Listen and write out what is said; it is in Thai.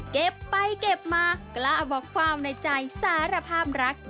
เก็บไปเก็บมากล้าบอกความในใจสารภาพรัก